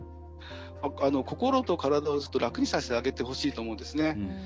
心と体を楽にさせてあげてほしいと思うんですね。